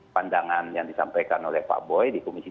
pandangan yang disampaikan oleh pak boy di komisi dua